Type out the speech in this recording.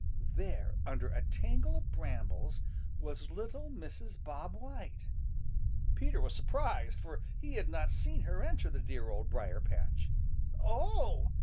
There, under a tangle of brambles, was little Mrs. Bob White. Peter was surprised, for he had not seen her enter the dear Old Briar patch. "Oh!"